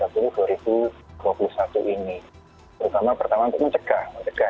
terutama pertama untuk mencegah